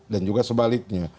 dan juga sebaliknya